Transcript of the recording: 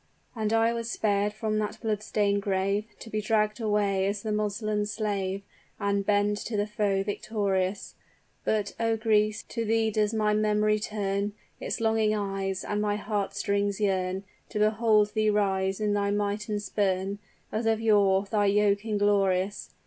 "And I was spared from that blood stained grave To be dragged away as the Moslem's slave, And bend to the foe victorious, But, O Greece! to thee does my memory turn Its longing eyes and my heart strings yearn To behold thee rise in thy might and spurn, As of yore, thy yoke inglorious!